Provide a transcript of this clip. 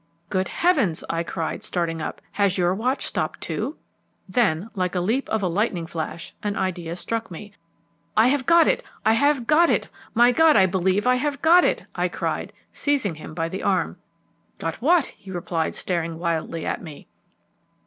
"Good heavens!" I cried, starting up. "Has your watch stopped, too?" Then, like the leap of a lightning flash, an idea struck me. "I have got it; I have got it! My God! I believe I have got it!" I cried, seizing him by the arm. "Got what?" he replied, staring wildly at me.